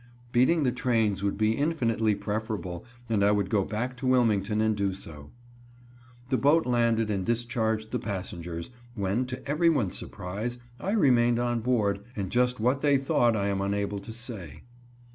Beating the trains would be infinitely preferable, and I would go back to Wilmington and do so. The boat landed and discharged the passengers, when, to everyone's surprise, I remained on board, and just what they thought I am unable to say.